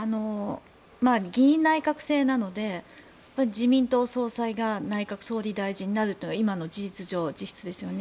議院内閣制なので自民党総裁が内閣総理大臣になるというのは今の事実上、実質ですよね。